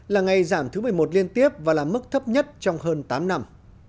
là ngày giảm thứ một mươi một liên tiếp và là mức thấp nhất trong hơn tám năm